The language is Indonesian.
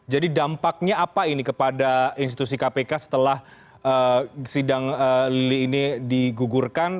jadi dampaknya apa ini kepada institusi kpk setelah sidang ini digugurkan